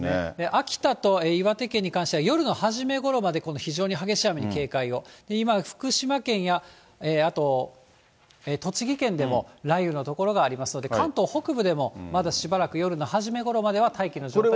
秋田と岩手県に関しては夜の初めごろまでこの非常に激しい雨に警戒を、今、福島県や、あと栃木県でも雷雨の所がありますので、関東北部でもまだしばらく、夜の初めごろまでは大気の状態が不安定。